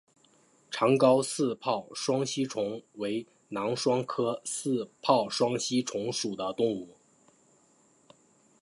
长睾似泡双吸虫为囊双科似泡双吸虫属的动物。